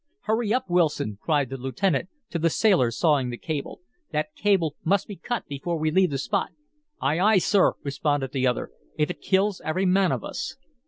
"Hurry up, Wilson," cried the lieutenant to the sailor sawing the cable. "That cable must be cut before we leave the spot." "Ay, ay, sir," responded the other. "If it kills every man of us!"